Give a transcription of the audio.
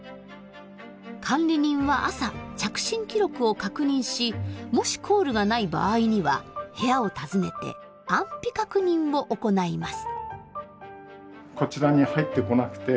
管理人は朝着信記録を確認しもしコールがない場合には部屋を訪ねて安否確認を行います。